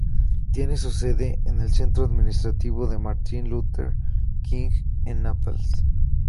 Tiene su sede en el Centro Administrativo de Martin Luther King en Naples.